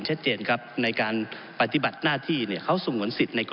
ผมอภิปรายเรื่องการขยายสมภาษณ์รถไฟฟ้าสายสีเขียวนะครับ